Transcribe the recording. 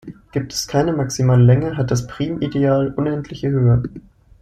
Gibt es keine maximale Länge, hat das Primideal unendliche Höhe.